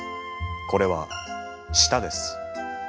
これは舌です。